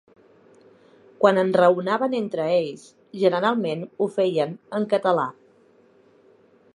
Quan enraonaven entre ells, generalment ho feien en català.